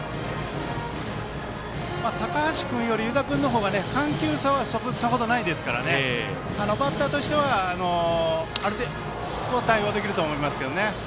高橋君より湯田君のほうが緩急差はそれほどないですからバッターとしては、ある程度対応できると思いますけどね。